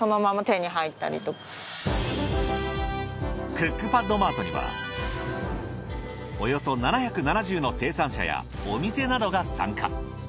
クックパッドマートにはおよそ７７０の生産者やお店などが参加。